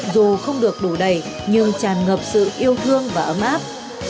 dù không được đủ đầy nhưng tràn ngập sự yêu thương và ấm áp